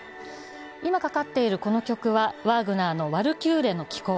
今かかっているこの曲はワーグナーの「ワルキューレの騎行」。